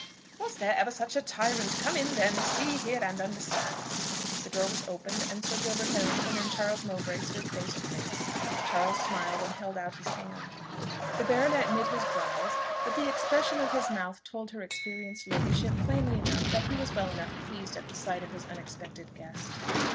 "Was there ever such a tyrant! Come in then; see, hear, and understand." The door was opened, and Sir Gilbert Harrington and Charles Mowbray stood face to face. Charles smiled, and held out his hand. The baronet knit his brows, but the expression of his mouth told her experienced ladyship plainly enough that he was well enough pleased at the sight of his unexpected guest.